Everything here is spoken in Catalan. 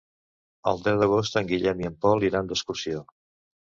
El deu d'agost en Guillem i en Pol iran d'excursió.